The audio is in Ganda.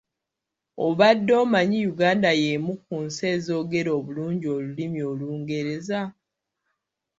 Obadde omanyi Uganda yemu ku nsi ezoogera obulungi olulimi olungereza?